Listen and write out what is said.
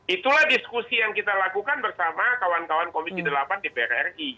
itulah diskusi yang kita lakukan bersama kawan kawan komisi delapan dpr ri